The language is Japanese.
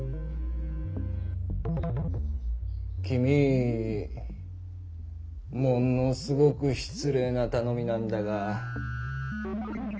君ものすごく失礼な頼みなんだが。